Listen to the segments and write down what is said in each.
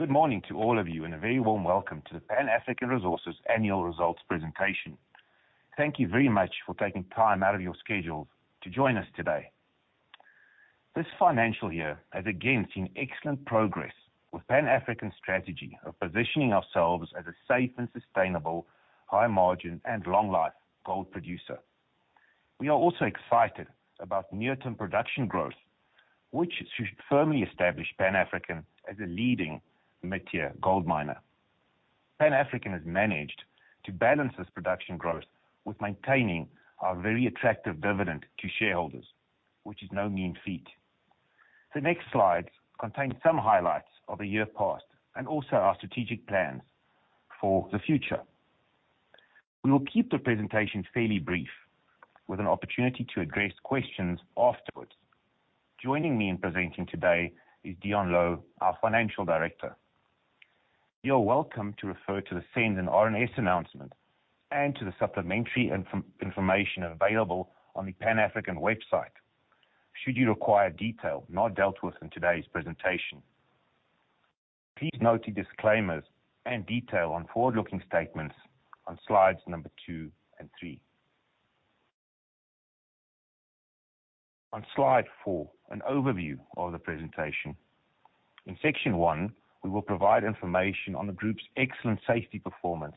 Good morning to all of you and a very warm welcome to the Pan African Resources Annual Results Presentation. Thank you very much for taking time out of your schedules to join us today. This financial year has again seen excellent progress with Pan African's strategy of positioning ourselves as a safe and sustainable, high margin and long life gold producer. We are also excited about near-term production growth, which should firmly establish Pan African as a leading mid-tier gold miner. Pan African has managed to balance this production growth with maintaining our very attractive dividend to shareholders, which is no mean feat. The next slides contain some highlights of the year past and also our strategic plans for the future. We will keep the presentation fairly brief, with an opportunity to address questions afterwards. Joining me in presenting today is Deon Louw, our Financial Director. You are welcome to refer to the recent RNS announcement and to the supplementary information available on the Pan African website should you require detail not dealt with in today's presentation. Please note the disclaimers and detail on forward-looking statements on slides number two and three. On slide four, an overview of the presentation. In section one, we will provide information on the group's excellent safety performance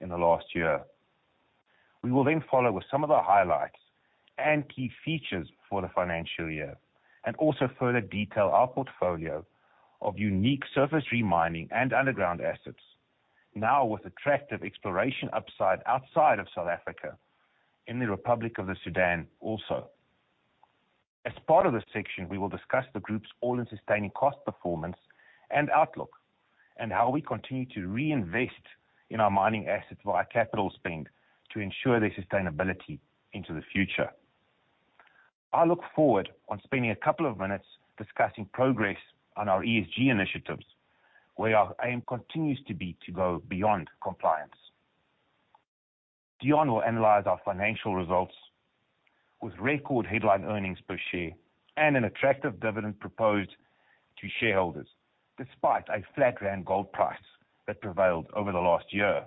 in the last year. We will then follow with some of the highlights and key features for the financial year, and also further detail our portfolio of unique surface remining and underground assets. Now with attractive exploration upside outside of South Africa in the Republic of Sudan also. As part of this section, we will discuss the group's all-in sustaining cost, performance and outlook, and how we continue to reinvest in our mining assets via capital spend to ensure their sustainability into the future. I look forward on spending a couple of minutes discussing progress on our ESG initiatives, where our aim continues to be to go beyond compliance. Deon will analyze our financial results with record headline earnings per share and an attractive dividend proposed to shareholders, despite a flat rand gold price that prevailed over the last year.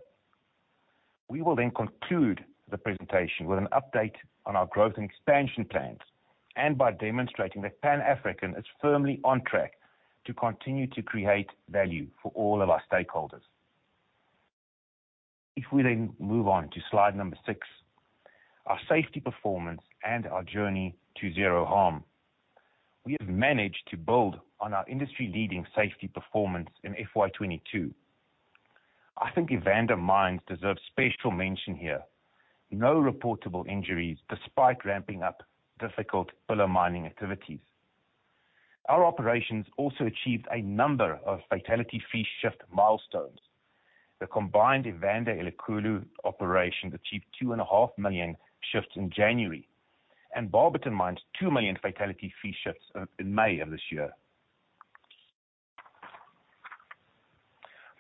We will then conclude the presentation with an update on our growth and expansion plans and by demonstrating that Pan African is firmly on track to continue to create value for all of our stakeholders. If we then move on to slide number six, our safety performance and our journey to zero harm. We have managed to build on our industry-leading safety performance in FY 2022. I think Evander Mines deserves special mention here. No reportable injuries despite ramping up difficult pillar mining activities. Our operations also achieved a number of fatality-free shift milestones. The combined Evander-Elikhulu operation achieved 2.5 million shifts in January, and Barberton Mines two million fatality-free shifts in May of this year.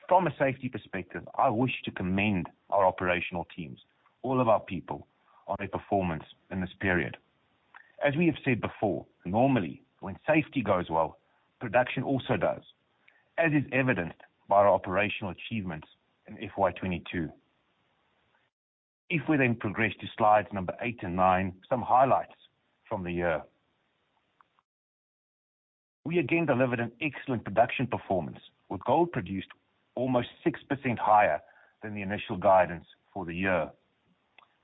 From a safety perspective, I wish to commend our operational teams, all of our people, on their performance in this period. As we have said before, normally when safety goes well, production also does, as is evidenced by our operational achievements in FY 2022. If we then progress to slides eight and nine, some highlights from the year. We again delivered an excellent production performance with gold produced almost 6% higher than the initial guidance for the year.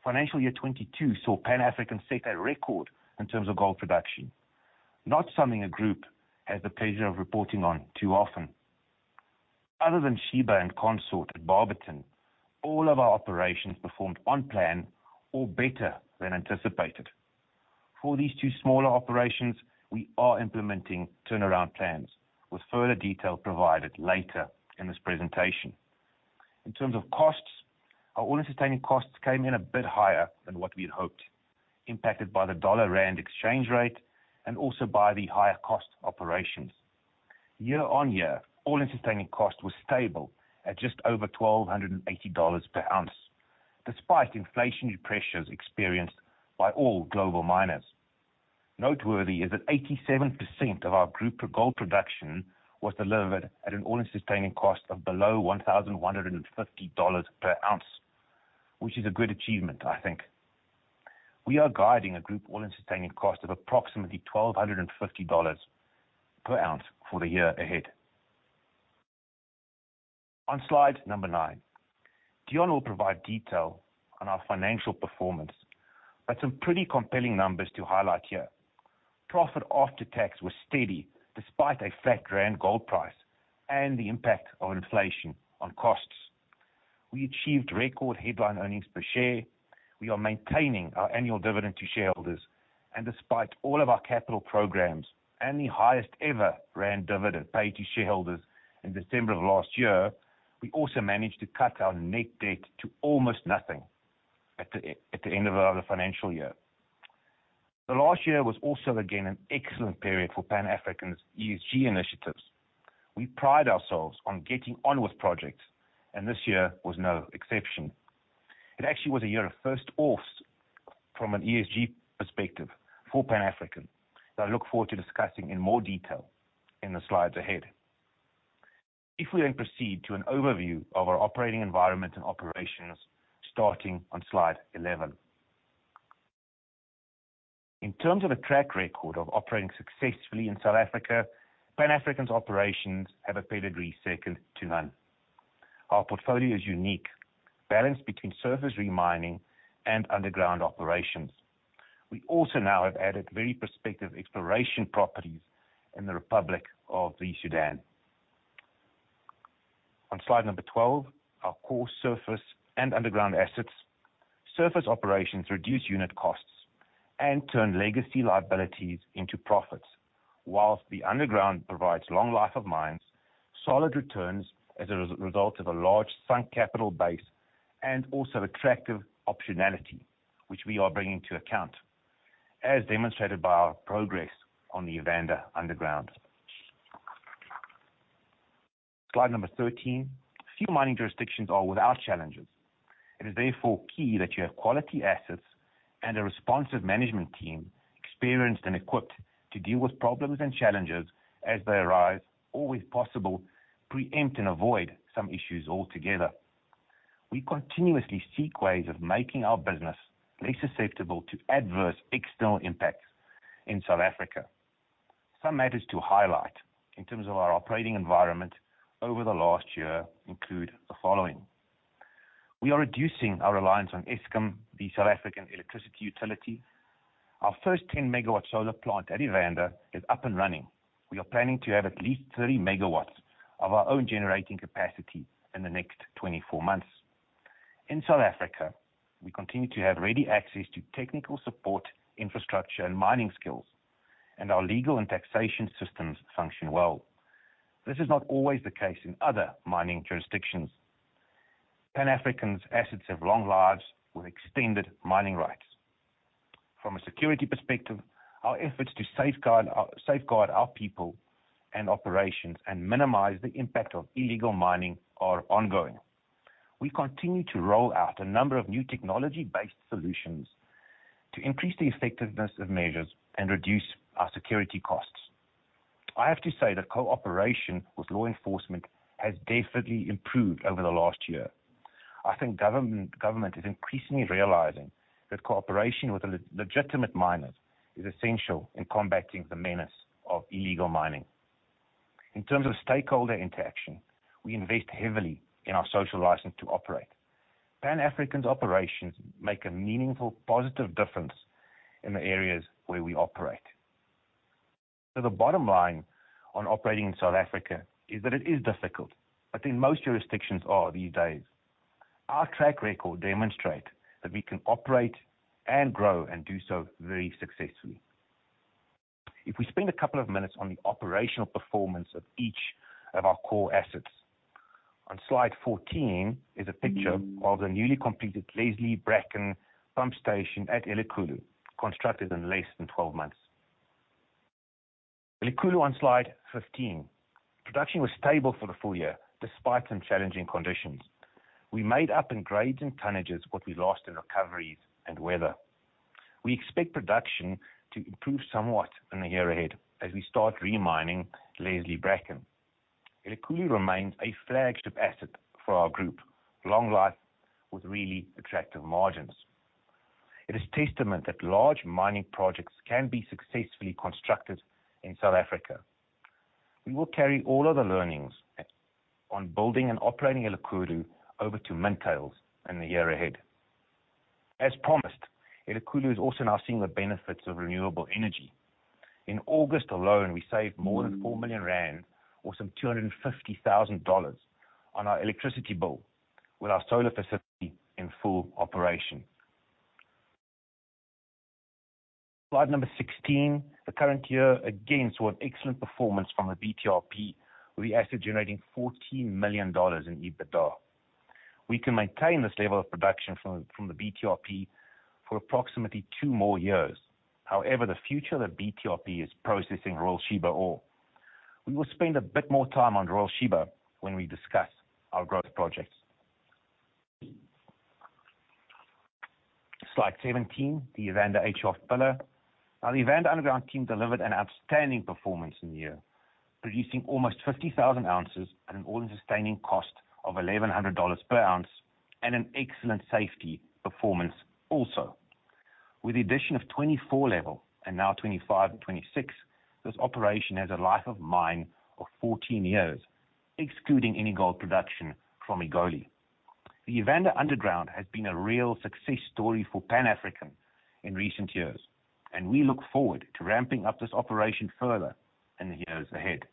Financial year 2022 saw Pan African set a record in terms of gold production. Not something a group has the pleasure of reporting on too often. Other than Sheba and Consort at Barberton, all of our operations performed on plan or better than anticipated. For these two smaller operations, we are implementing turnaround plans with further detail provided later in this presentation. In terms of costs, our all-in sustaining costs came in a bit higher than what we had hoped, impacted by the dollar-rand exchange rate and also by the higher cost operations. Year-on-year, all-in sustaining costs were stable at just over $1,280 per ounce, despite inflationary pressures experienced by all global miners. Noteworthy is that 87% of our group gold production was delivered at an all-in sustaining cost of below $1,150 per ounce, which is a good achievement, I think. We are guiding a group all-in sustaining cost of approximately $1,250 per ounce for the year ahead. On slide number nine, Deon will provide detail on our financial performance, but some pretty compelling numbers to highlight here. Profit after tax was steady despite a flat rand gold price and the impact of inflation on costs. We achieved record headline earnings per share. We are maintaining our annual dividend to shareholders and despite all of our capital programs and the highest ever rand dividend paid to shareholders in December of last year, we also managed to cut our net debt to almost nothing at the end of the financial year. The last year was also again an excellent period for Pan African's ESG initiatives. We pride ourselves on getting on with projects, and this year was no exception. It actually was a year of first offs. From an ESG perspective for Pan African that I look forward to discussing in more detail in the slides ahead. If we proceed to an overview of our operating environment and operations starting on slide 11. In terms of a track record of operating successfully in South Africa, Pan African's operations have a pedigree second to none. Our portfolio is unique, balanced between surface re-mining and underground operations. We also now have added very prospective exploration properties in the Republic of the Sudan. On slide number 12, our core surface and underground assets. Surface operations reduce unit costs and turn legacy liabilities into profits, while the underground provides long life of mines, solid returns as a result of a large sunk capital base, and also attractive optionality which we are bringing to account, as demonstrated by our progress on the Evander Underground. Slide number 13. Few mining jurisdictions are without challenges. It is therefore key that you have quality assets and a responsive management team, experienced and equipped to deal with problems and challenges as they arise or, where possible, preempt and avoid some issues altogether. We continuously seek ways of making our business less susceptible to adverse external impacts in South Africa. Some matters to highlight in terms of our operating environment over the last year include the following. We are reducing our reliance on Eskom, the South African electricity utility. Our first 10MW solar plant at Evander is up and running. We are planning to have at least 30MW of our own generating capacity in the next 24 months. In South Africa, we continue to have ready access to technical support, infrastructure and mining skills, and our legal and taxation systems function well. This is not always the case in other mining jurisdictions. Pan African's assets have long lives with extended mining rights. From a security perspective, our efforts to safeguard our people and operations and minimize the impact of illegal mining are ongoing. We continue to roll out a number of new technology-based solutions to increase the effectiveness of measures and reduce our security costs. I have to say that cooperation with law enforcement has definitely improved over the last year. I think government is increasingly realizing that cooperation with legitimate miners is essential in combating the menace of illegal mining. In terms of stakeholder interaction, we invest heavily in our social license to operate. Pan African's operations make a meaningful, positive difference in the areas where we operate. The bottom line on operating in South Africa is that it is difficult. I think most jurisdictions are these days. Our track record demonstrate that we can operate and grow and do so very successfully. If we spend a couple of minutes on the operational performance of each of our core assets. On slide 14 is a picture of the newly completed Leslie/Bracken pump station at Elikhulu, constructed in less than 12 months. Elikhulu on slide 15. Production was stable for the full year despite some challenging conditions. We made up in grades and tonnages what we lost in recoveries and weather. We expect production to improve somewhat in the year ahead as we start re-mining Leslie/Bracken. Elikhulu remains a flagship asset for our group. Long life with really attractive margins. It is testament that large mining projects can be successfully constructed in South Africa. We will carry all of the learnings on building and operating Elikhulu over to Mintails in the year ahead. As promised, Elikhulu is also now seeing the benefits of renewable energy. In August alone, we saved more than 4 million rand or some $250,000 on our electricity bill with our solar facility in full operation. Slide number 16. The current year again saw an excellent performance from the BTRP, with the asset generating $14 million in EBITDA. We can maintain this level of production from the BTRP for approximately two more years. However, the future of the BTRP is processing Royal Sheba ore. We will spend a bit more time on Royal Sheba when we discuss our growth projects. Slide 17, the Evander 8 Shaft pillar. Now, the Evander underground team delivered an outstanding performance in the year, producing almost 50,000 ounces at an all-in sustaining cost of $1,100 per ounce, and an excellent safety performance also. With the addition of 24 Level and now 25 and 26, this operation has a life of mine of 14 years, excluding any gold production from Egoli. The Evander Underground has been a real success story for Pan African in recent years, and we look forward to ramping up this operation further in the years ahead.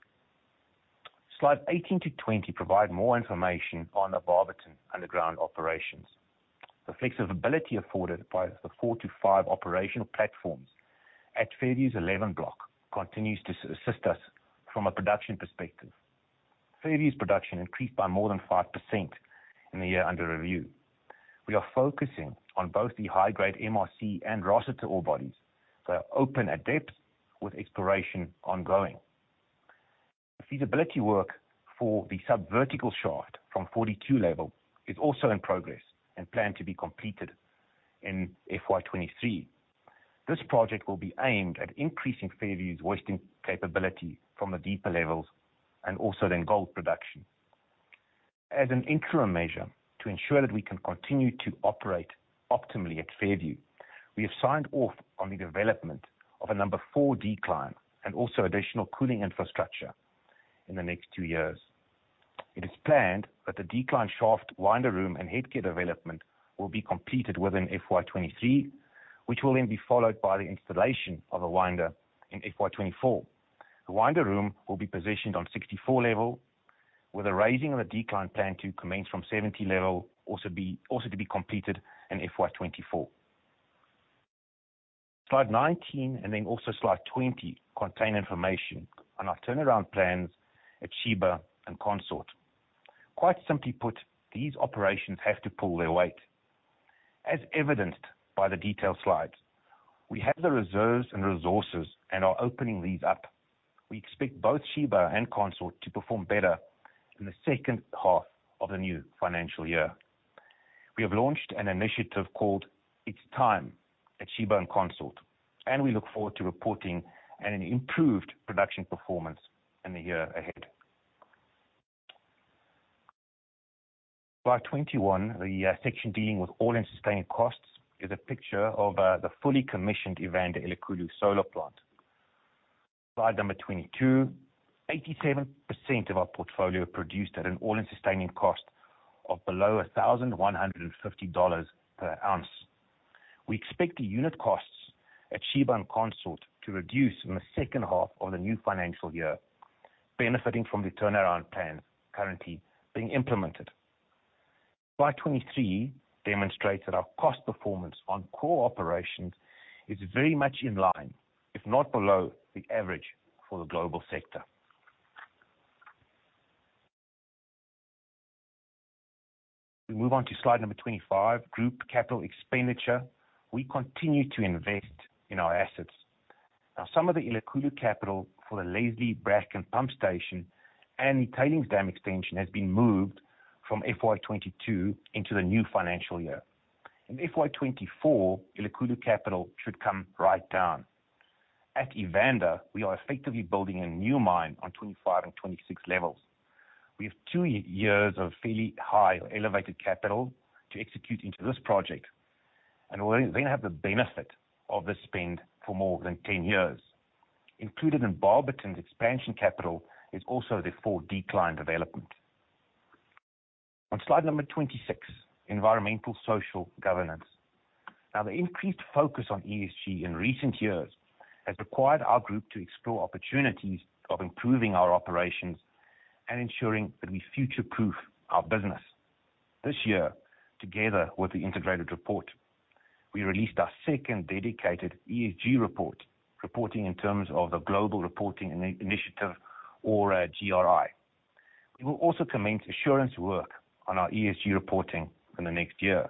Slides 18-20 provide more information on the Barberton underground operations. The flexibility afforded by the four to five operational platforms at Fairview's 11 Block continues to assist us from a production perspective. Fairview's production increased by more than 5% in the year under review. We are focusing on both the high-grade MRC and Rossiter ore bodies that are open at depth with exploration ongoing. The feasibility work for the sub-vertical shaft from 42 level is also in progress and planned to be completed in FY 2023. This project will be aimed at increasing Fairview's winzing capability from the deeper levels and also then gold production. As an interim measure to ensure that we can continue to operate optimally at Fairview, we have signed off on the development of a number 4 decline and also additional cooling infrastructure in the next two years. It is planned that the decline shaft winder room and headgate development will be completed within FY 2023, which will then be followed by the installation of a winder in FY 2024. The winder room will be positioned on 64 level, with the raising of the decline planned to commence from 70 level, also to be completed in FY 2024. Slide 19 and then also slide 20 contain information on our turnaround plans at Sheba and Consort. Quite simply put, these operations have to pull their weight. As evidenced by the detailed slides, we have the reserves and resources and are opening these up. We expect both Sheba and Consort to perform better in the second half of the new financial year. We have launched an initiative called It's Time at Sheba and Consort, and we look forward to reporting an improved production performance in the year ahead. Slide 21, the section dealing with all-in sustaining costs is a picture of the fully commissioned Evander Elikhulu solar plant. Slide 22. 87% of our portfolio produced at an all-in sustaining cost of below $1,150 per ounce. We expect the unit costs at Sheba and Consort to reduce in the second half of the new financial year, benefiting from the turnaround plans currently being implemented. Slide 23 demonstrates that our cost performance on core operations is very much in line, if not below the average for the global sector. We move on to slide number 25, group capital expenditure. We continue to invest in our assets. Now, some of the Elikhulu capital for the Leslie/Bracken and pump station and the tailings dam extension has been moved from FY 2022 into the new financial year. In FY 2024, Elikhulu capital should come right down. At Evander, we are effectively building a new mine on 25 and 26 levels. We have two years of fairly high elevated capital to execute into this project, and we'll then have the benefit of this spend for more than 10 years. Included in Barberton's expansion capital is also the 4 decline development. On slide number 26, environmental social governance. Now, the increased focus on ESG in recent years has required our group to explore opportunities of improving our operations and ensuring that we future-proof our business. This year, together with the integrated report, we released our second dedicated ESG report, reporting in terms of the Global Reporting Initiative or GRI. We will also commence assurance work on our ESG reporting in the next year.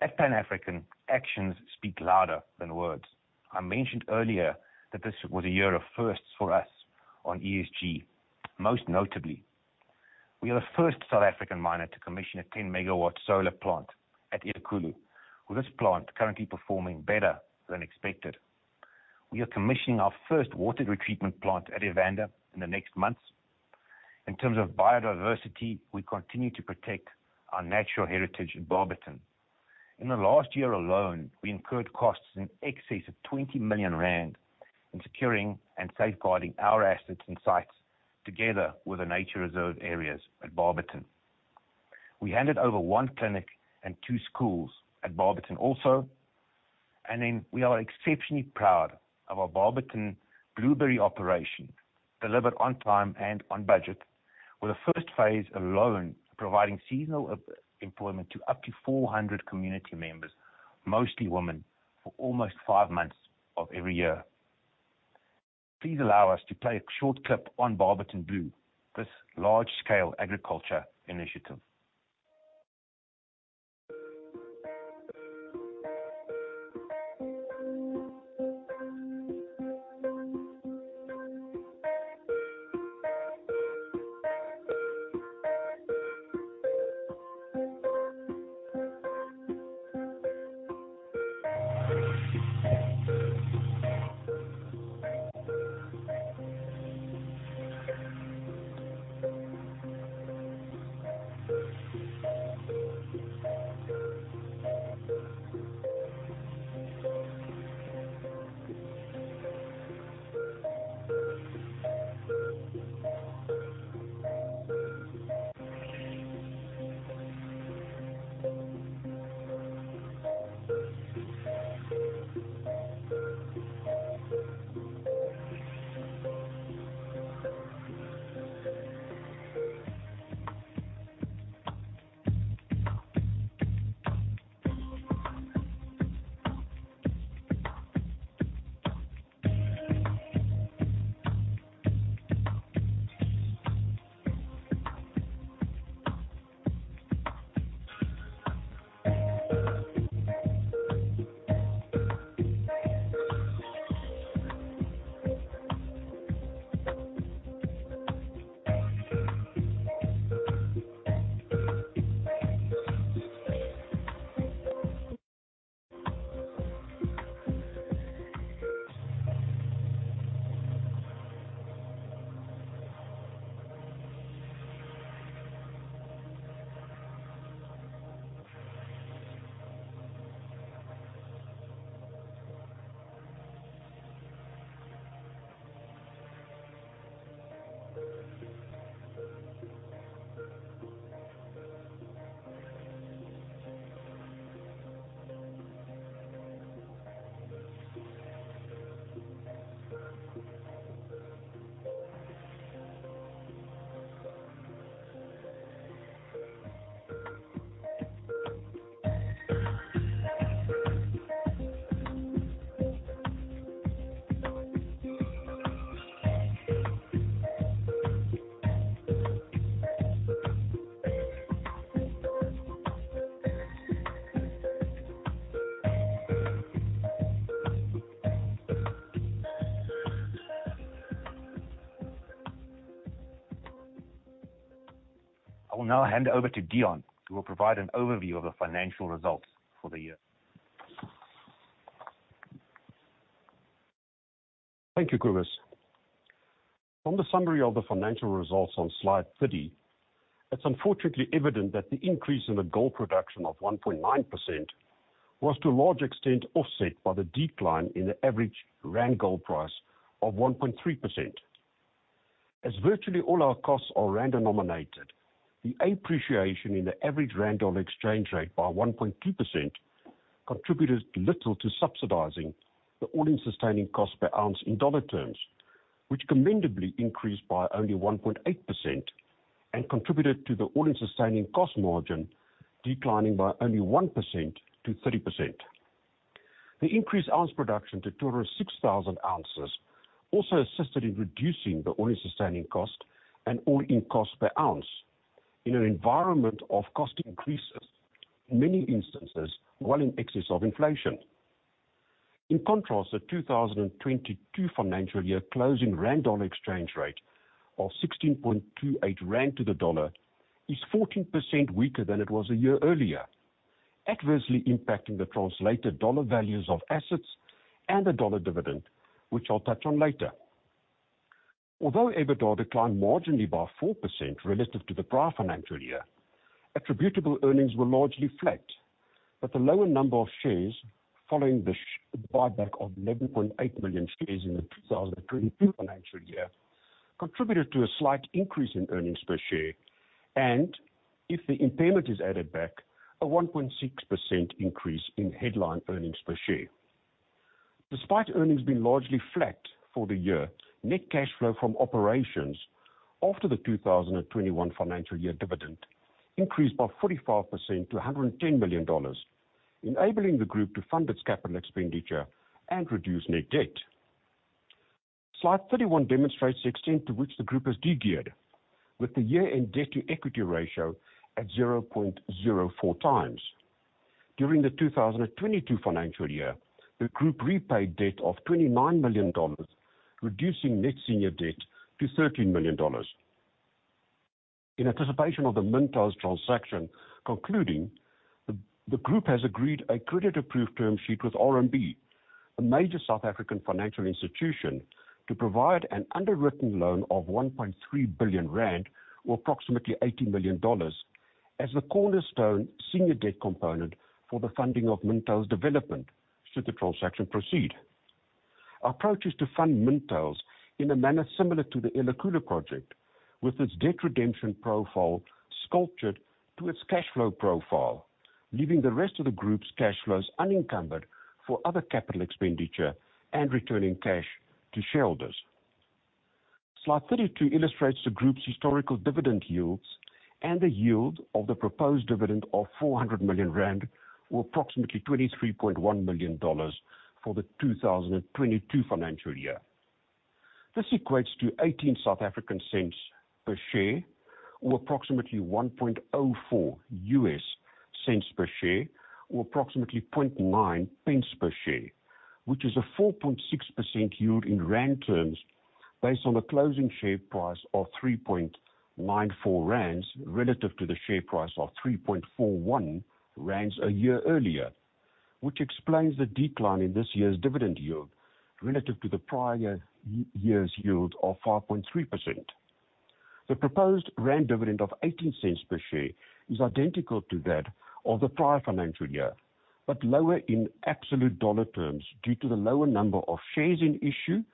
At Pan African, actions speak louder than words. I mentioned earlier that this was a year of firsts for us on ESG. Most notably, we are the first South African miner to commission a 10MW solar plant at Elikhulu, with this plant currently performing better than expected. We are commissioning our first water treatment plant at Evander in the next months. In terms of biodiversity, we continue to protect our natural heritage in Barberton. In the last year alone, we incurred costs in excess of 20 million rand in securing and safeguarding our assets and sites together with the nature reserve areas at Barberton. We handed over one clinic and two schools at Barberton also. We are exceptionally proud of our Barberton Blueberry operation, delivered on time and on budget, with the first phase alone providing seasonal employment to up to 400 community members, mostly women, for almost five months of every year. Please allow us to play a short clip on Barberton Blue, this large-scale agriculture initiative. I will now hand over to Deon, who will provide an overview of the financial results for the year. Thank you, Cobus. From the summary of the financial results on slide 30, it's unfortunately evident that the increase in the gold production of 1.9% was to a large extent offset by the decline in the average rand gold price of 1.3%. As virtually all our costs are rand denominated, the appreciation in the average rand dollar exchange rate by 1.2% contributed little to subsidizing the all-in sustaining cost per ounce in dollar terms, which commendably increased by only 1.8% and contributed to the all-in sustaining cost margin declining by only 1% to 30%. The increased ounce production to 206,000 ounces also assisted in reducing the all-in sustaining cost and all-in cost per ounce in an environment of cost increases, in many instances well in excess of inflation. In contrast, the 2022 financial year closing rand dollar exchange rate of 16.28 rand to the USD is 14% weaker than it was a year earlier, adversely impacting the translated dollar values of assets and the dollar dividend, which I'll touch on later. Although EBITDA declined marginally by 4% relative to the prior financial year, attributable earnings were largely flat. The lower number of shares following the buyback of 11.8 million shares in the 2022 financial year contributed to a slight increase in earnings per share. If the impairment is added back, a 1.6% increase in headline earnings per share. Despite earnings being largely flat for the year, net cash flow from operations after the 2021 financial year dividend increased by 45% to $110 million, enabling the group to fund its capital expenditure and reduce net debt. Slide 31 demonstrates the extent to which the group has de-geared with the year-end debt-to-equity ratio at 0.04x. During the 2022 financial year, the group repaid debt of $29 million, reducing net senior debt to $13 million. In anticipation of the Mintails transaction concluding, the group has agreed a credit-approved term sheet with RMB, a major South African financial institution, to provide an underwritten loan of 1.3 billion rand or approximately $80 million as the cornerstone senior debt component for the funding of Mintails development should the transaction proceed. Our approach is to fund Mintails in a manner similar to the Elikhulu project, with its debt redemption profile sculpted to its cash flow profile, leaving the rest of the group's cash flows unencumbered for other capital expenditure and returning cash to shareholders. Slide 32 illustrates the group's historical dividend yields and the yield of the proposed dividend of 400 million rand or approximately $23.1 million for the 2022 financial year. This equates to 0.18 per share or approximately $0.0104 per share or approximately GBP 0.009 per share, which is a 4.6% yield in rand terms based on the closing share price of 3.94 rand relative to the share price of 3.41 rand a year earlier, which explains the decline in this year's dividend yield relative to the prior year's yield of 5.3%. The proposed rand dividend of 0.18 per share is identical to that of the prior financial year, but lower in absolute dollar terms due to the lower number of shares in issue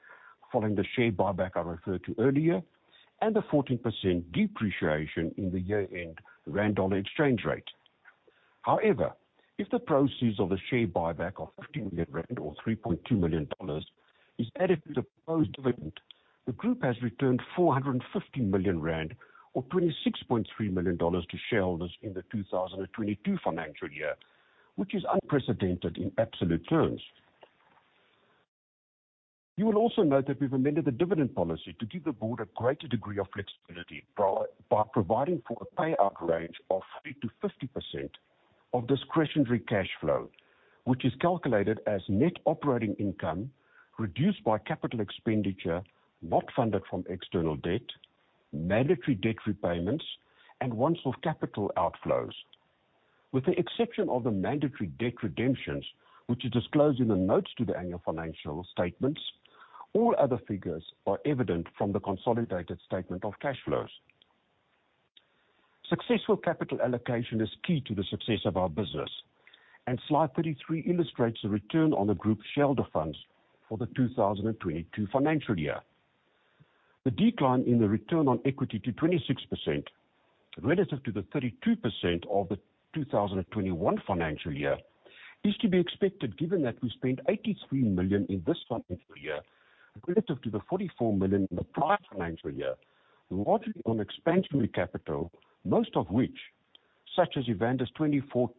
following the share buyback I referred to earlier and the 14% depreciation in the year-end rand dollar exchange rate. However, if the proceeds of the share buyback of 50 million rand or $3.2 million is added to the proposed dividend, the group has returned 450 million rand or $26.3 million to shareholders in the 2022 financial year, which is unprecedented in absolute terms. You will also note that we've amended the dividend policy to give the board a greater degree of flexibility by providing for a payout range of 3%-50% of discretionary cash flow, which is calculated as net operating income reduced by capital expenditure, not funded from external debt, mandatory debt repayments, and once-off capital outflows. With the exception of the mandatory debt redemptions, which are disclosed in the notes to the annual financial statements, all other figures are evident from the consolidated statement of cash flows. Successful capital allocation is key to the success of our business, and slide 33 illustrates the return on the group's shareholder funds for the 2022 financial year. The decline in the return on equity to 26% relative to the 32% of the 2021 financial year is to be expected, given that we spent 83 million in this financial year relative to the 44 million in the prior financial year, largely on expansionary capital, most of which, such as Evander's 24-26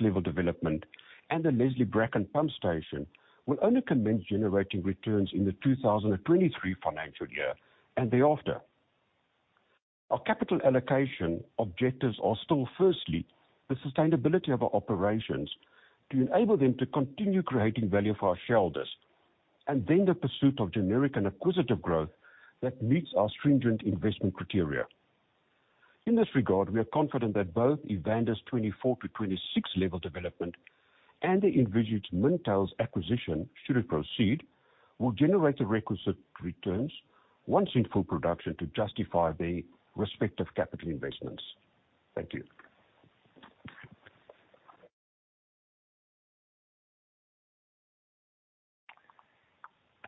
level development and the Leslie Bracken pump station, will only commence generating returns in the 2023 financial year and thereafter. Our capital allocation objectives are still, firstly, the sustainability of our operations to enable them to continue creating value for our shareholders, and then the pursuit of organic and acquisitive growth that meets our stringent investment criteria. In this regard, we are confident that both Evander's 24-26 level development and the envisaged Mintails acquisition, should it proceed, will generate the requisite returns once in full production to justify the respective capital investments. Thank you.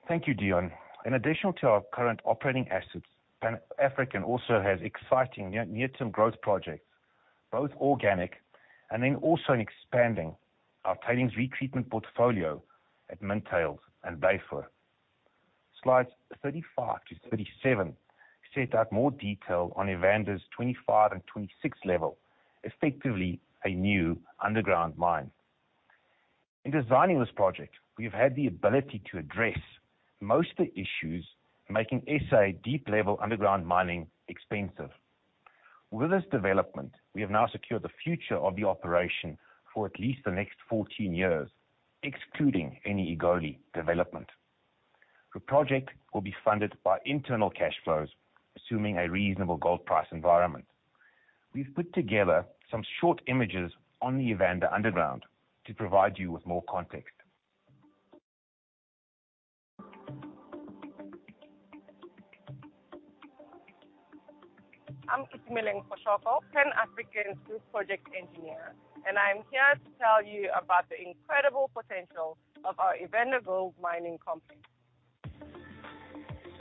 Thank you, Deon. In addition to our current operating assets, Pan African also has exciting near-term growth projects, both organic and inorganic, also in expanding our tailings retreatment portfolio at Mintails and Blyvoor. Slides 35-37 set out more detail on Evander's 25 and 26 level, effectively a new underground mine. In designing this project, we've had the ability to address most of the issues making SA deep level underground mining expensive. With this development, we have now secured the future of the operation for at least the next 14 years, excluding any Egoli development. The project will be funded by internal cash flows, assuming a reasonable gold price environment. We've put together some short images on the Evander underground to provide you with more context. I'm Itumeleng Phoshoko, Pan African's Group Project Engineer, and I'm here to tell you about the incredible potential of our Evander Gold Mines.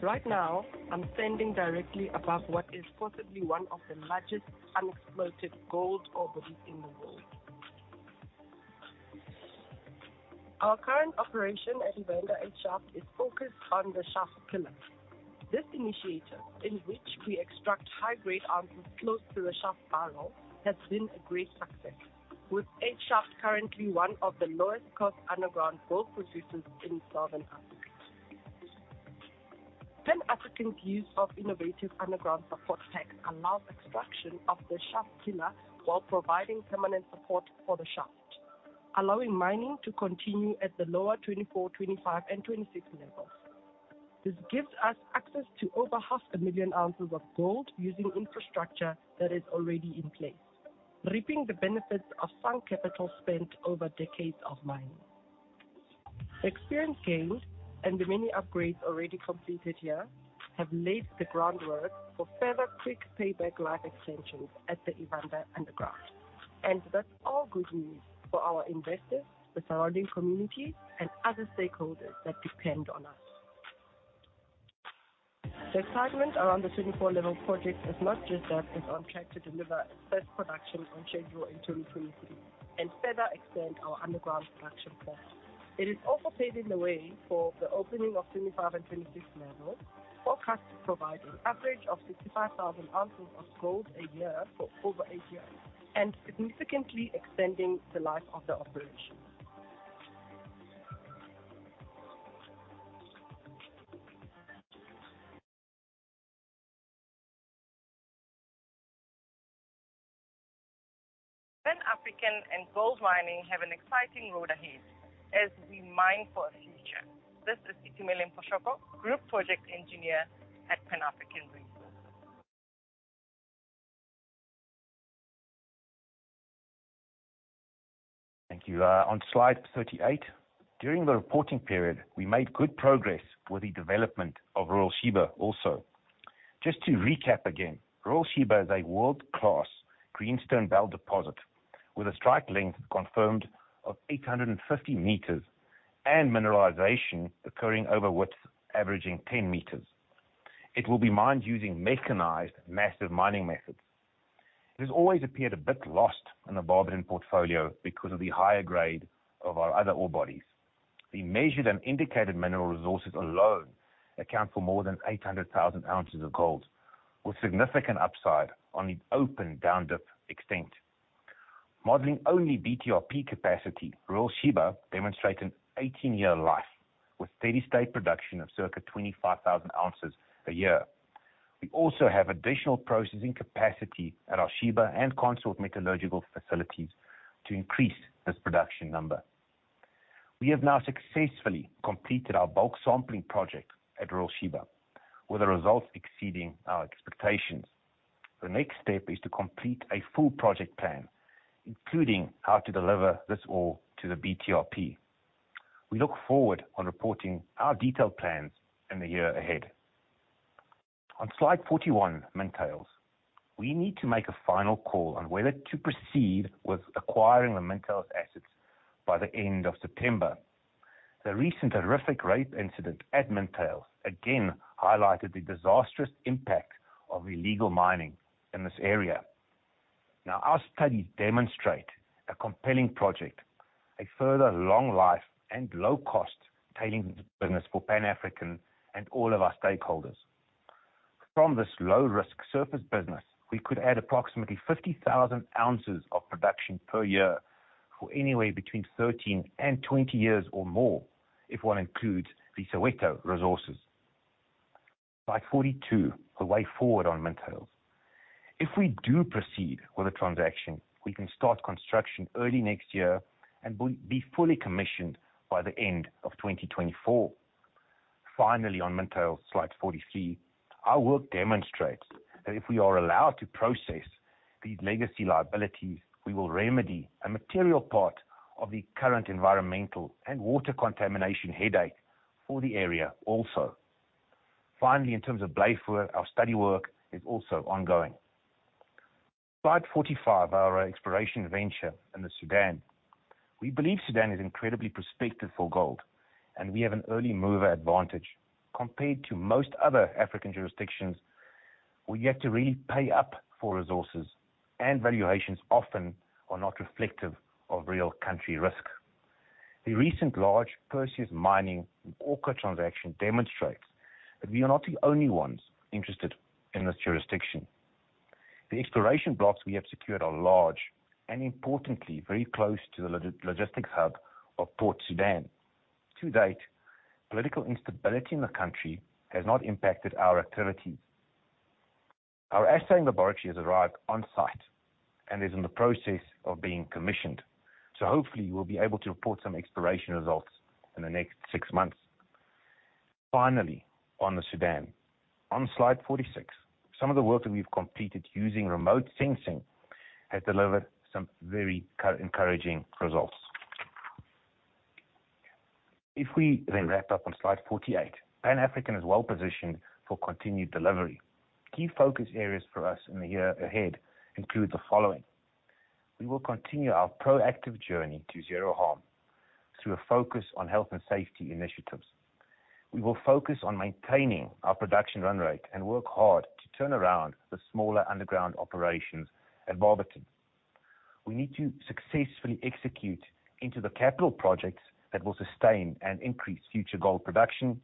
Right now, I'm standing directly above what is possibly one of the largest unexploited gold orbits in the world. Our current operation at Evander 8 Shaft is focused on the shaft pillar. This initiative, in which we extract high-grade ounces close to the shaft barrel, has been a great success, with 8 Shaft currently one of the lowest cost underground gold producers in southern Africa. Pan African's use of innovative underground support tech allows extraction of the shaft pillar while providing permanent support for the shaft, allowing mining to continue at the lower 24, 25, and 26 levels. This gives us access to over 500,000 ounces of gold using infrastructure that is already in place, reaping the benefits of sunk capital spent over decades of mining. Experience gained and the many upgrades already completed here have laid the groundwork for further quick payback life extensions at the Evander underground. That's all good news for our investors, the surrounding community, and other stakeholders that depend on us. The excitement around the 24 Level project is not just that it's on track to deliver its first production on schedule in 2023 and further extend our underground production life. It is also paving the way for the opening of 25 and 26 levels, forecast to provide an average of 65,000 ounces of gold a year for over eight years and significantly extending the life of the operation. Pan African and gold mining have an exciting road ahead as we mine for a future. This is Itumeleng Phoshoko, Group Project Engineer at Pan African Resources. Thank you. On slide 38, during the reporting period, we made good progress with the development of Royal Sheba also. Just to recap again, Royal Sheba is a world-class greenstone belt deposit with a strike length confirmed of 850m and mineralization occurring over widths averaging 10m. It will be mined using mechanized massive mining methods. This always appeared a bit lost in the Barberton portfolio because of the higher grade of our other ore bodies. The measured and indicated mineral resources alone account for more than 800,000 ounces of gold, with significant upside on the open down-dip extent. Modeling only BTRP capacity, Royal Sheba demonstrate an 18-year life with steady state production of circa 25,000 ounces a year. We also have additional processing capacity at our Sheba and Consort metallurgical facilities to increase this production number. We have now successfully completed our bulk sampling project at Royal Sheba, with the results exceeding our expectations. The next step is to complete a full project plan, including how to deliver this all to the BTRP. We look forward on reporting our detailed plans in the year ahead. On slide 41, Mintails. We need to make a final call on whether to proceed with acquiring the Mintails assets by the end of September. The recent horrific rape incident at Mintails again highlighted the disastrous impact of illegal mining in this area. Now, our studies demonstrate a compelling project, a further long life and low cost tailings business for Pan African and all of our stakeholders. From this low risk surface business, we could add approximately 50,000 ounces of production per year for anywhere between 13 and 20 years or more, if one includes the Soweto resources. Slide 42, the way forward on Mintails. If we do proceed with the transaction, we can start construction early next year and be fully commissioned by the end of 2024. Finally, on Mintails, Slide 43, our work demonstrates that if we are allowed to process these legacy liabilities, we will remedy a material part of the current environmental and water contamination headache for the area also. Finally, in terms of Braamfontein, our study work is also ongoing. Slide 45, our exploration venture in the Sudan. We believe Sudan is incredibly prospective for gold, and we have an early mover advantage. Compared to most other African jurisdictions, we have to really pay up for resources, and valuations often are not reflective of real country risk. The recent large Perseus Mining and Orca Gold transaction demonstrates that we are not the only ones interested in this jurisdiction. The exploration blocks we have secured are large and importantly, very close to the logistics hub of Port Sudan. To date, political instability in the country has not impacted our activities. Our assay laboratory has arrived on-site and is in the process of being commissioned. Hopefully we'll be able to report some exploration results in the next six months. Finally, on the Sudan, on slide 46, some of the work that we've completed using remote sensing has delivered some very encouraging results. If we then wrap up on slide 48, Pan African is well positioned for continued delivery. Key focus areas for us in the year ahead include the following. We will continue our proactive journey to zero harm through a focus on health and safety initiatives. We will focus on maintaining our production run rate and work hard to turn around the smaller underground operations at Barberton. We need to successfully execute into the capital projects that will sustain and increase future gold production.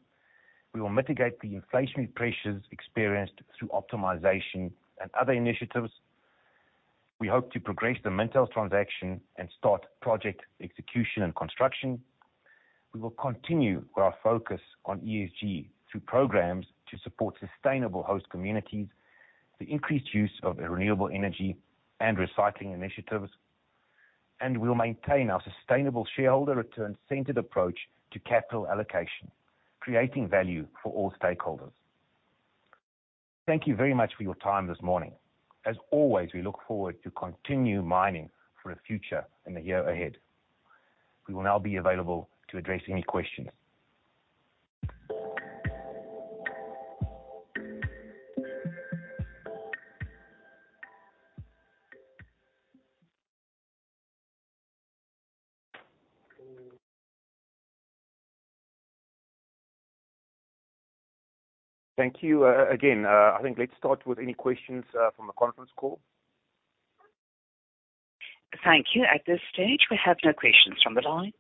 We will mitigate the inflationary pressures experienced through optimization and other initiatives. We hope to progress the Mintails transaction and start project execution and construction. We will continue with our focus on ESG through programs to support sustainable host communities, the increased use of renewable energy and recycling initiatives. We'll maintain our sustainable shareholder return-centered approach to capital allocation, creating value for all stakeholders. Thank you very much for your time this morning. As always, we look forward to continue mining for the future in the year ahead. We will now be available to address any questions. Thank you. Again, I think let's start with any questions from the conference call. Thank you. At this stage, we have no questions from the line.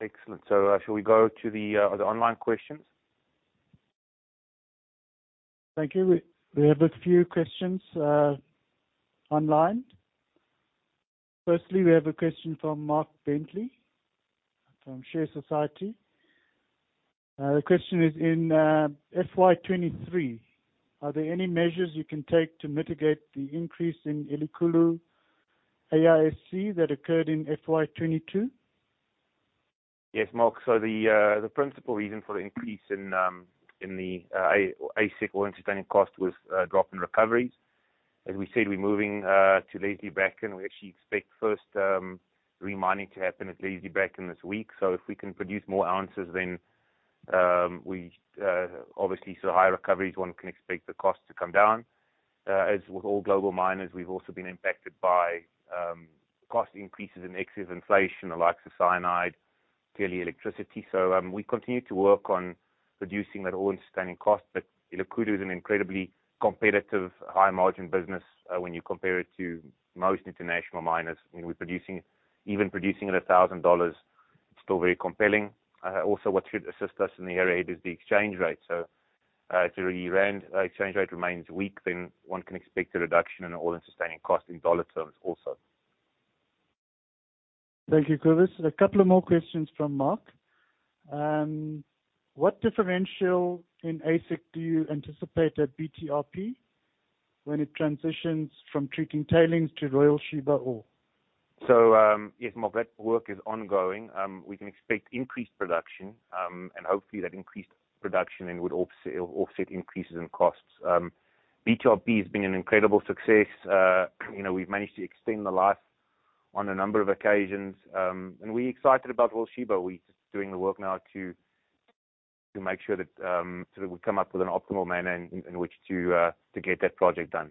Excellent. Shall we go to the online questions? Thank you. We have a few questions online. Firstly, we have a question from Mark Bentley from ShareSoc. The question is: In FY 2023, are there any measures you can take to mitigate the increase in Elikhulu AISC that occurred in FY 2022? Yes, Mark. The principal reason for the increase in the AISC or all-in sustaining cost was drop in recoveries. As we said, we're moving to Leslie Bracken. We actually expect first remining to happen at Leslie/Bracken this week. If we can produce more ounces, then obviously higher recoveries, one can expect the cost to come down. As with all global miners, we've also been impacted by cost increases in excess of inflation, the likes of cyanide, clearly electricity. We continue to work on reducing that all-in sustaining cost. Elikhulu is an incredibly competitive high margin business when you compare it to most international miners. Even producing at $1,000 it's still very compelling. Also what should assist us in the area is the exchange rate. If the rand exchange rate remains weak, then one can expect a reduction in all-in sustaining costs in dollar terms also. Thank you, Cobus. A couple of more questions from Mark. What differential in AISC do you anticipate at BTRP when it transitions from treating tailings to Royal Sheba ore? Yes, Mark, that work is ongoing. We can expect increased production, and hopefully that increased production then would offset increases in costs. BTRP has been an incredible success. You know, we've managed to extend the life on a number of occasions, and we're excited about Royal Sheba. We're doing the work now to make sure that we come up with an optimal manner in which to get that project done.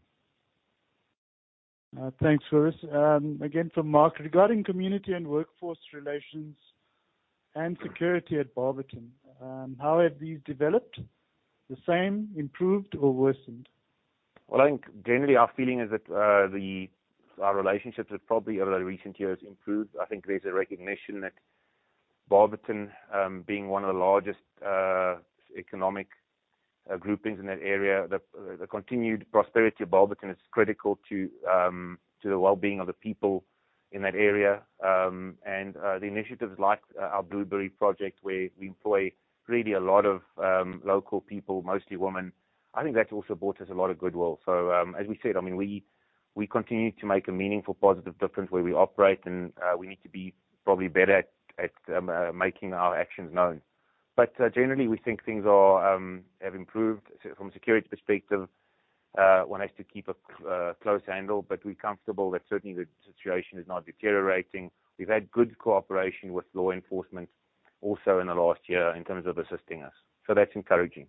Thanks, Cobus. Again, from Mark. Regarding community and workforce relations and security at Barberton, how have these developed? The same, improved, or worsened? Well, I think generally our feeling is that our relationships have probably over recent years improved. I think there's a recognition that Barberton being one of the largest economic groupings in that area, the continued prosperity of Barberton is critical to the wellbeing of the people in that area. The initiatives like our Blueberry project, where we employ really a lot of local people, mostly women, I think that's also bought us a lot of goodwill. As we said, I mean, we continue to make a meaningful positive difference where we operate and we need to be probably better at making our actions known. Generally, we think things have improved. From a security perspective, one has to keep a close handle, but we're comfortable that certainly the situation is not deteriorating. We've had good cooperation with law enforcement also in the last year in terms of assisting us. That's encouraging.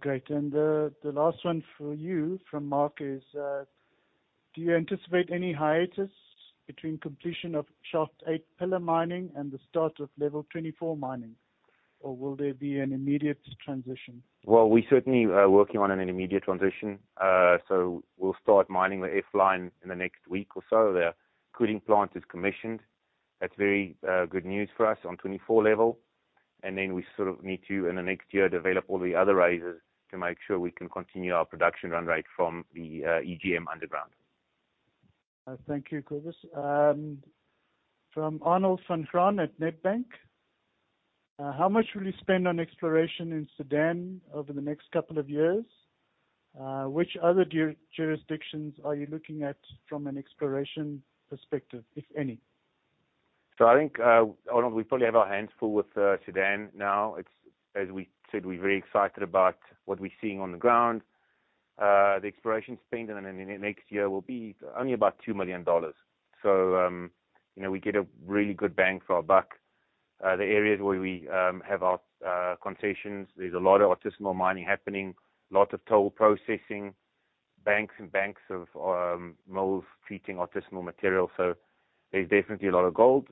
Great. The last one for you from Mark is, do you anticipate any hiatus between completion of shaft 8 pillar mining and the start of level 24 mining, or will there be an immediate transition? Well, we certainly are working on an immediate transition. We'll start mining the F line in the next week or so. Their cooling plant is commissioned. That's very good news for us on 24 Level. Then we sort of need to, in the next year, develop all the other raises to make sure we can continue our production run rate from the EGM underground. Thank you, Cobus. From Arnold van Graan at Nedbank. How much will you spend on exploration in Sudan over the next couple of years? Which other jurisdictions are you looking at from an exploration perspective, if any? I think, Arnold, we probably have our hands full with Sudan now. As we said, we're very excited about what we're seeing on the ground. The exploration spend in the next year will be only about $2 million. You know, we get a really good bang for our buck. The areas where we have our concessions, there's a lot of artisanal mining happening, lots of toll processing, banks and banks of mills treating artisanal material. There's definitely a lot of gold.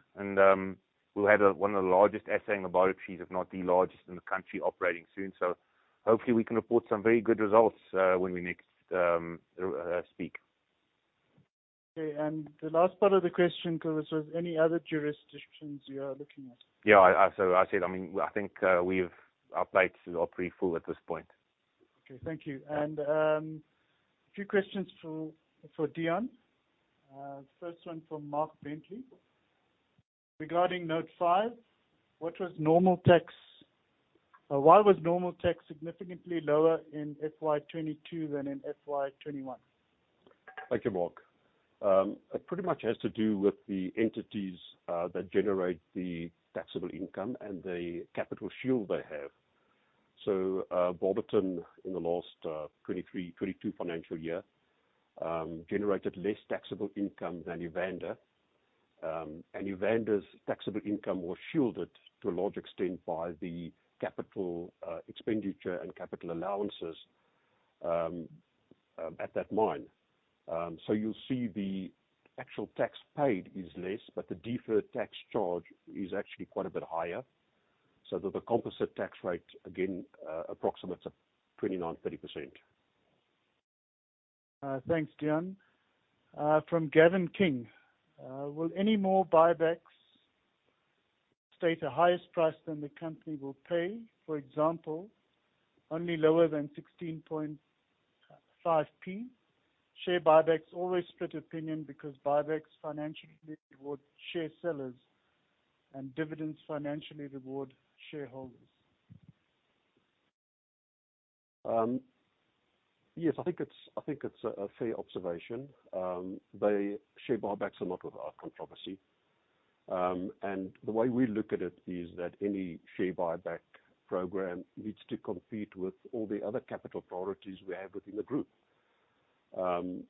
We'll have one of the largest assaying laboratories, if not the largest in the country operating soon. Hopefully we can report some very good results when we next speak. Okay. The last part of the question, Cobus, was any other jurisdictions you are looking at. Yeah. As I said, I mean, I think our plates are pretty full at this point. Okay. Thank you. A few questions for Deon. First one from Mark Bentley. Regarding note five, why was normal tax significantly lower in FY 2022 than in FY 2021? Thank you, Mark. It pretty much has to do with the entities that generate the taxable income and the capital shield they have. Barberton in the last FY 2023, 2022 financial year generated less taxable income than Evander. Evander's taxable income was shielded to a large extent by the capital expenditure and capital allowances at that mine. You'll see the actual tax paid is less, but the deferred tax charge is actually quite a bit higher, so that the composite tax rate, again, approximates a 29%-30%. Thanks, Deon. From Gavin King. Will any more buybacks state the highest price that the company will pay? For example, only lower than 16.5p. Share buybacks always split opinion because buybacks financially reward share sellers and dividends financially reward shareholders. Yes. I think it's a fair observation. The share buybacks are not without controversy. The way we look at it is that any share buyback program needs to compete with all the other capital priorities we have within the group. I don't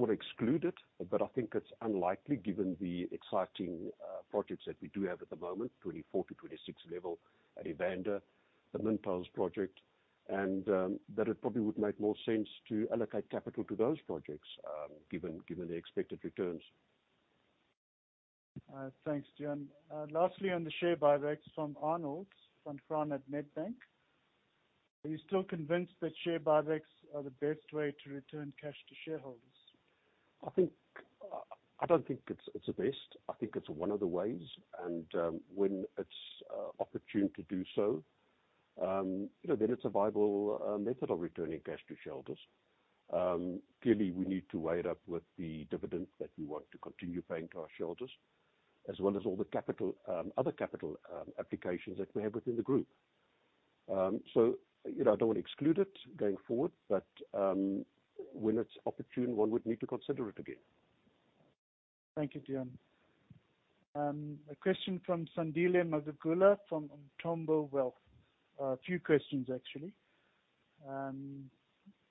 wanna exclude it, but I think it's unlikely given the exciting projects that we do have at the moment, 24-26 level at Evander, the Mintails project, and that it probably would make more sense to allocate capital to those projects given the expected returns. Thanks, Deon. Lastly on the share buybacks from Arnold Van Graan at Nedbank. Are you still convinced that share buybacks are the best way to return cash to shareholders? I don't think it's the best. I think it's one of the ways. When it's opportune to do so, you know, then it's a viable method of returning cash to shareholders. Clearly, we need to weigh it up with the dividends that we want to continue paying to our shareholders, as well as all the other capital applications that we have within the group. You know, I don't wanna exclude it going forward, but when it's opportune, one would need to consider it again. Thank you, Deon. A question from Sandile Magagula from Umthombo Wealth. A few questions, actually.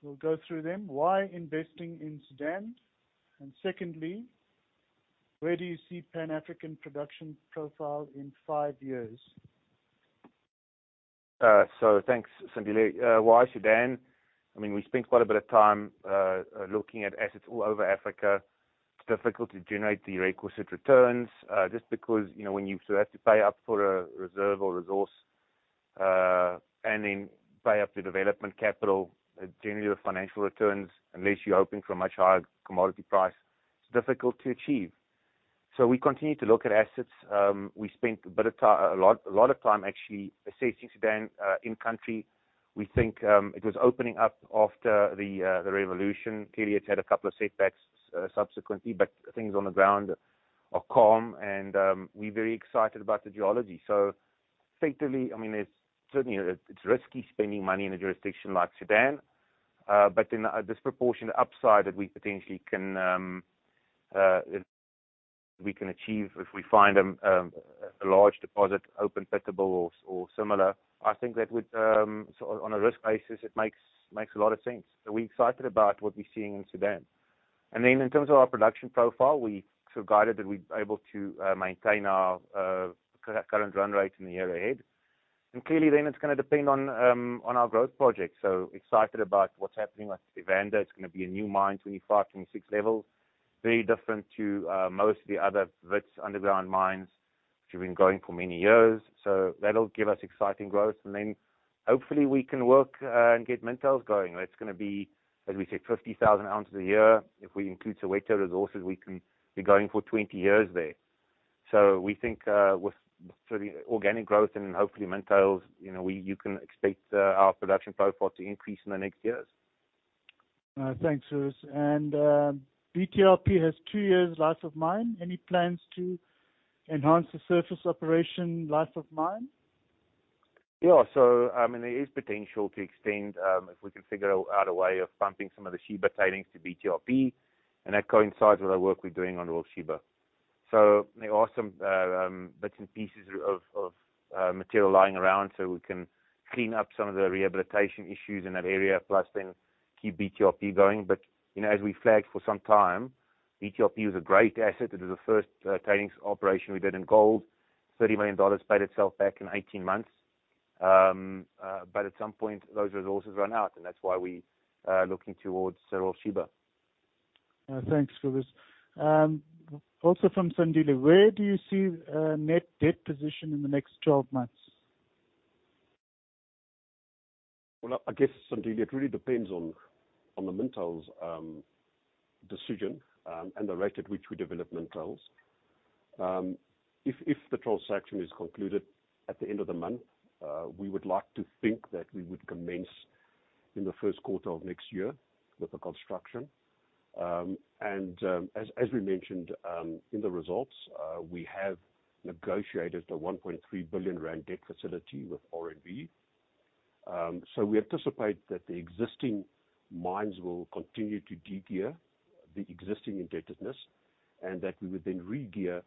We'll go through them. Why investing in Sudan? Secondly, where do you see Pan African production profile in five years? Thanks, Sandile. Why Sudan? I mean, we spent quite a bit of time looking at assets all over Africa. It's difficult to generate the requisite returns just because, you know, when you sort of have to pay up for a reserve or resource and then pay up the development capital generally the financial returns, unless you're hoping for a much higher commodity price, it's difficult to achieve. We continue to look at assets. We spent a lot of time actually assessing Sudan in country. We think it was opening up after the revolution. Clearly, it's had a couple of setbacks subsequently, but things on the ground are calm and we're very excited about the geology. Factually, I mean, it's certainly it's risky spending money in a jurisdiction like Sudan. But then a disproportionate upside that we potentially can achieve if we find a large deposit open-pittable or similar. I think that would so on a risk basis it makes a lot of sense. We're excited about what we're seeing in Sudan. In terms of our production profile, we sort of guided that we're able to maintain our current run rate in the year ahead. Clearly then it's gonna depend on our growth project. Excited about what's happening with Evander. It's gonna be a new mine, 25-26 level. Very different to most of the other Wits underground mines which have been going for many years. That'll give us exciting growth. Hopefully we can work and get Mintails going. That's gonna be, as we said, 50,000 ounces a year. If we include Soweto resources, we can be going for 20 years there. We think with sort of organic growth and hopefully Mintails, you know, you can expect our production profile to increase in the next years. Thanks, Loots. BTRP has two years life of mine. Any plans to enhance the surface operation life of mine? I mean, there is potential to extend, if we can figure out a way of pumping some of the Sheba tailings to BTRP, and that coincides with our work we're doing on Royal Sheba. There are some bits and pieces of material lying around, so we can clean up some of the rehabilitation issues in that area, plus then keep BTRP going. You know, as we flagged for some time, BTRP was a great asset. It was the first tailings operation we did in gold. $30 million paid itself back in 18 months. At some point, those resources run out, and that's why we are looking towards Royal Sheba. Thanks, Loots. Also from Sandile. Where do you see net debt position in the next 12 months? Well, I guess, Sandile, it really depends on the Mintails decision and the rate at which we develop Mintails. If the transaction is concluded at the end of the month, we would like to think that we would commence in Q1 of next year with the construction. As we mentioned in the results, we have negotiated a 1.3 billion rand debt facility with RMB. We anticipate that the existing mines will continue to de-gear the existing indebtedness and that we would then re-gear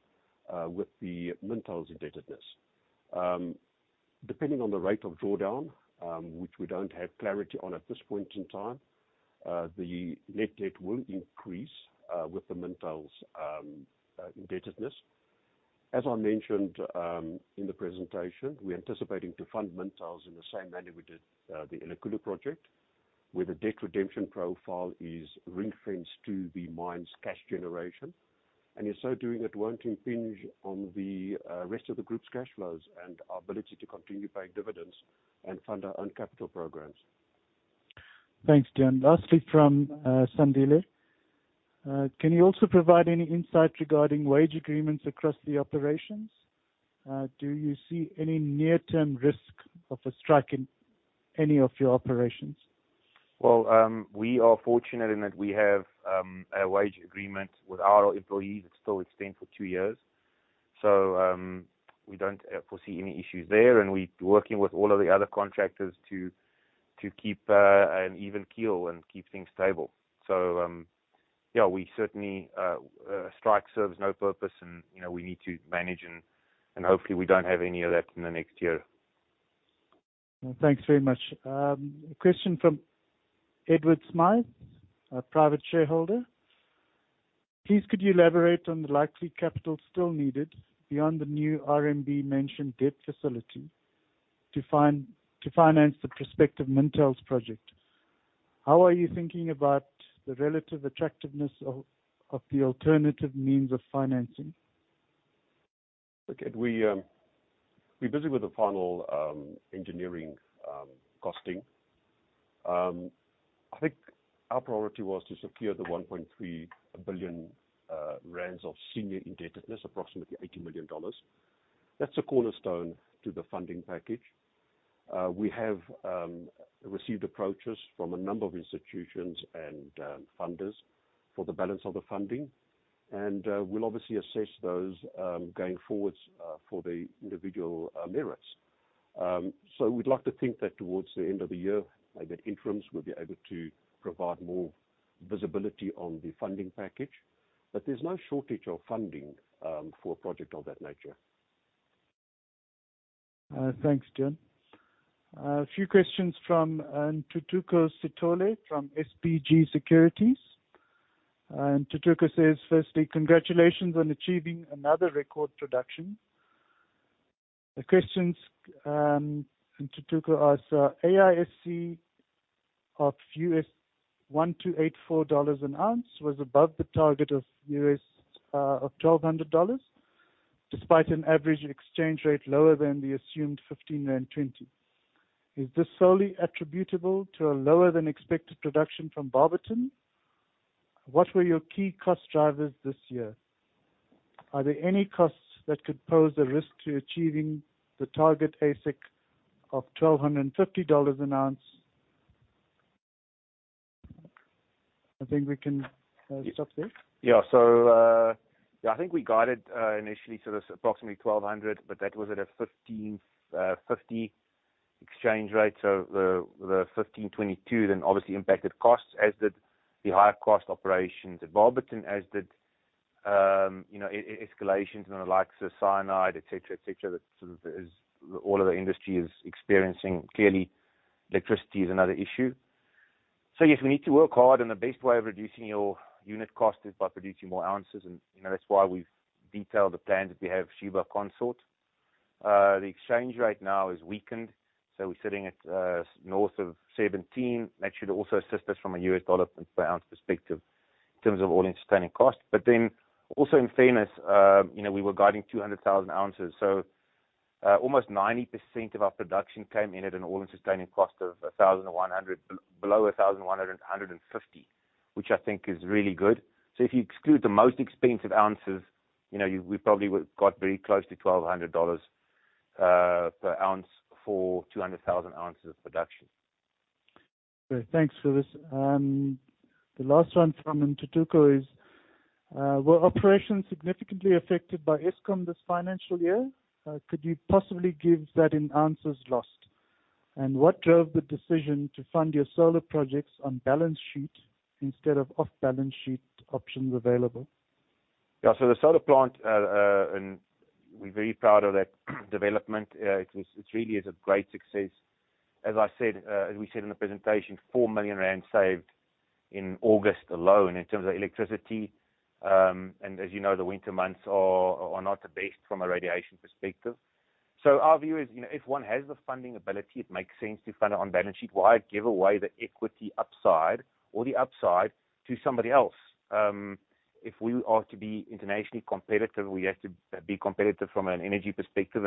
with the Mintails indebtedness. Depending on the rate of drawdown, which we don't have clarity on at this point in time, the net debt will increase with the Mintails indebtedness. As I mentioned in the presentation, we're anticipating to fund Mintails in the same manner we did the Elikhulu project, where the debt redemption profile is ring-fenced to the mine's cash generation. In so doing, it won't impinge on the rest of the group's cash flows and our ability to continue paying dividends and fund our own capital programs. Thanks, Deon. Lastly from Sandile. Can you also provide any insight regarding wage agreements across the operations? Do you see any near-term risk of a strike in any of your operations? Well, we are fortunate in that we have a wage agreement with our employees. It's still in effect for two years. We don't foresee any issues there, and we're working with all of the other contractors to keep an even keel and keep things stable. Yeah, we certainly a strike serves no purpose and, you know, we need to manage and hopefully we don't have any of that in the next year. Thanks very much. A question from Edward Smyth, a private shareholder. Please, could you elaborate on the likely capital still needed beyond the new RMB mentioned debt facility to finance the prospective Mintails project? How are you thinking about the relative attractiveness of the alternative means of financing? Okay. We're busy with the final engineering costing. I think our priority was to secure 1.3 billion rand of senior indebtedness, approximately $80 million. That's a cornerstone to the funding package. We have received approaches from a number of institutions and funders for the balance of the funding. We'll obviously assess those going forwards for the individual merits. We'd like to think that towards the end of the year, like at interims, we'll be able to provide more visibility on the funding package. There's no shortage of funding for a project of that nature. Thanks, Deon. A few questions from Ntuthuko Sithole from SBG Securities. Ntuthuko says, firstly, congratulations on achieving another record production. The questions, Ntuthuko asks, AISC of $1,084 an ounce was above the target of $1,200, despite an average exchange rate lower than the assumed 15.20 rand. Is this solely attributable to a lower than expected production from Barberton? What were your key cost drivers this year? Are there any costs that could pose a risk to achieving the target AISC of $1,250 an ounce? I think we can stop there. I think we got it initially sort of approximately $1,200, but that was at a 15.50 exchange rate. The 15.22 then obviously impacted costs, as did the higher cost operations at Barberton, as did you know escalations and the likes of cyanide, et cetera, et cetera. That sort of is all of the industry is experiencing. Clearly, electricity is another issue. Yes, we need to work hard, and the best way of reducing your unit cost is by producing more ounces. You know, that's why we've detailed the plans that we have Sheba Consort. The exchange rate now is weakened, so we're sitting at north of 17. That should also assist us from a U.S. dollar per ounce perspective in terms of all-in sustaining costs. also in fairness, you know, we were guiding 200,000 ounces. almost 90% of our production came in at an all-in sustaining cost of $1,100, below $1,150, which I think is really good. if you exclude the most expensive ounces, you know, we probably would got very close to $1,200 per ounce for 200,000 ounces of production. Okay. Thanks for this. The last one from Ntuthuko is, were operations significantly affected by Eskom this financial year? Could you possibly give that in ounces lost? What drove the decision to fund your solar projects on balance sheet instead of off balance sheet options available? Yeah. The solar plant, and we're very proud of that development. It's really is a great success. As we said in the presentation, 4 million rand saved in August alone in terms of electricity. As you know, the winter months are not the best from a radiation perspective. Our view is, you know, if one has the funding ability, it makes sense to fund it on balance sheet. Why give away the equity upside or the upside to somebody else? If we are to be internationally competitive, we have to be competitive from an energy perspective.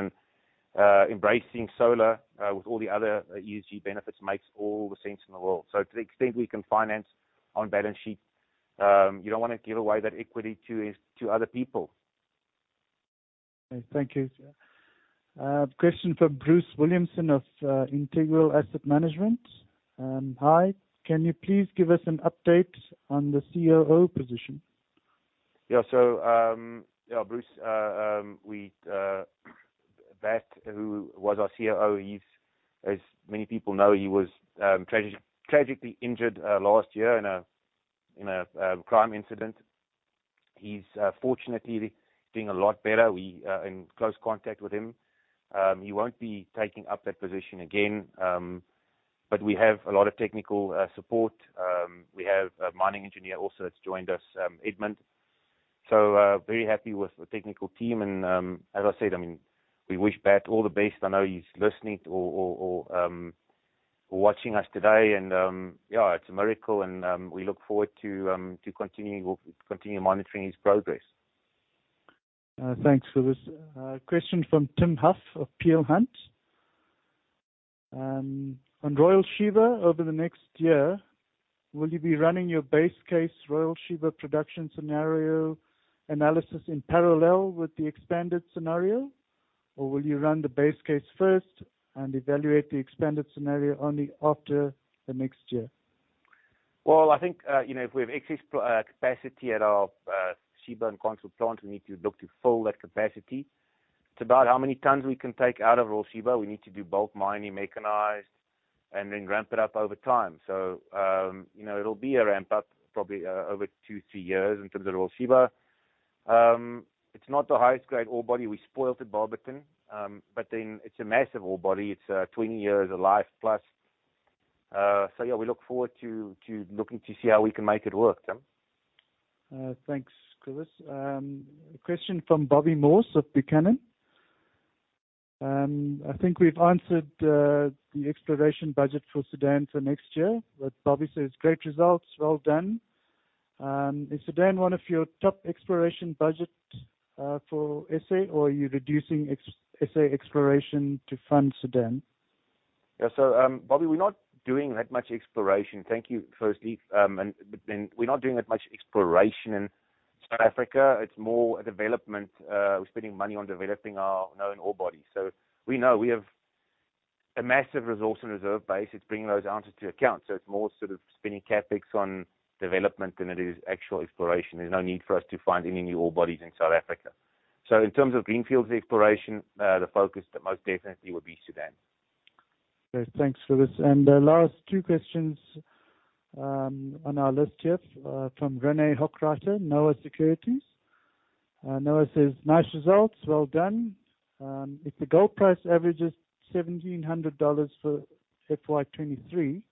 Embracing solar, with all the other ESG benefits makes all the sense in the world. To the extent we can finance on balance sheet, you don't wanna give away that equity to other people. Okay. Thank you. Question from Bruce Williamson of Integral Asset Management. Hi. Can you please give us an update on the COO position? Yeah, Bruce, we, Bat, who was our COO. As many people know, he was tragically injured last year in a crime incident. He's fortunately doing a lot better. We are in close contact with him. He won't be taking up that position again. But we have a lot of technical support. We have a mining engineer also that's joined us, Edmund. Very happy with the technical team. As I said, I mean, we wish Bat all the best. I know he's listening or watching us today. Yeah, it's a miracle and we look forward to continuing. We'll continue monitoring his progress. Thanks for this. Question from Tim Huff of Peel Hunt. On Royal Sheba over the next year, will you be running your base case Royal Sheba production scenario analysis in parallel with the expanded scenario? Or will you run the base case first and evaluate the expanded scenario only after the next year? Well, I think, you know, if we have excess capacity at our Sheba and Consort plant, we need to look to fill that capacity. It's about how many tons we can take out of Royal Sheba. We need to do bulk mining, mechanized, and then ramp it up over time. You know, it'll be a ramp up probably over two, three years in terms of Royal Sheba. It's not the highest grade ore body. We spoke at Barberton. But then it's a massive ore body. It's 20+ years of life. Yeah, we look forward to looking to see how we can make it work, Tim. Thanks, Cobus. A question from Bobby Morse of Buchanan. I think we've answered the exploration budget for Sudan for next year. Obviously, it's great results. Well done. Is Sudan one of your top exploration budget for SA, or are you reducing SA exploration to fund Sudan? Yeah. Bobby, we're not doing that much exploration. Thank you, firstly. We're not doing that much exploration in South Africa. It's more a development. We're spending money on developing our known ore body. We know we have a massive resource and reserve base. It's bringing those assets to account. It's more sort of spending CapEx on development than it is actual exploration. There's no need for us to find any new ore bodies in South Africa. In terms of greenfields exploration, the focus most definitely would be Sudan. Okay. Thanks for this. The last two questions, on our list here, from René Hochreiter, NOAH Capital Markets. René says, "Nice results. Well done. If the gold price averages $1,700 for FY 2023,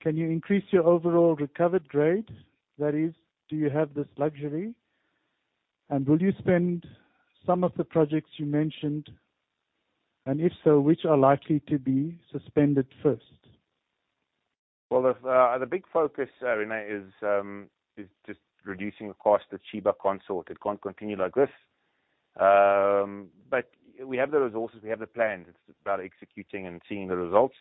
can you increase your overall recovered grade? That is, do you have this luxury? And will you spend some of the projects you mentioned? And if so, which are likely to be suspended first? Well, the big focus, René, is just reducing the cost at Sheba Consort. It can't continue like this. We have the resources, we have the plans. It's about executing and seeing the results.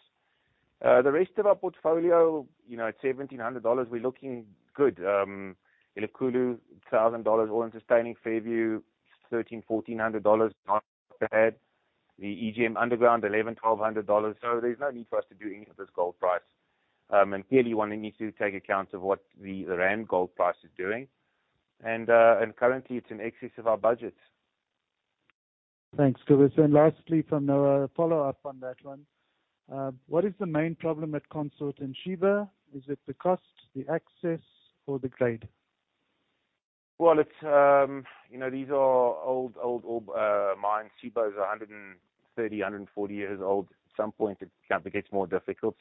The rest of our portfolio, you know, at $1,700 we're looking good. Elikhulu, $1,000 all-in sustaining. Fairview, $1,300-1,400, not bad. The EGM underground, $1,100-1,200. There's no need for us to do any of this gold price. Clearly one needs to take account of what the rand gold price is doing. Currently it's in excess of our budget. Thanks, Cobus. Lastly from René, follow-up on that one. What is the main problem at Consort and Sheba? Is it the cost, the access or the grade? Well, it's, you know, these are old ore mines. Sheba is 130-140 years old. At some point it kind of gets more difficult.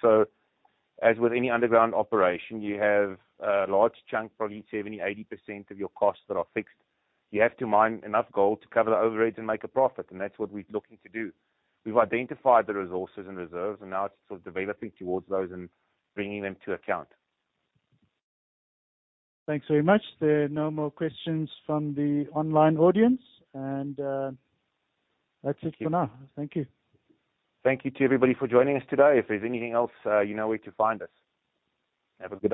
As with any underground operation, you have a large chunk, probably 70%-80% of your costs that are fixed. You have to mine enough gold to cover the overheads and make a profit. That's what we're looking to do. We've identified the resources and reserves, and now it's sort of developing towards those and bringing them to account. Thanks very much. There are no more questions from the online audience. That's it for now. Thank you. Thank you to everybody for joining us today. If there's anything else, you know where to find us. Have a good day.